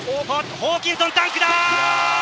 ホーキンソン、ダンクだ！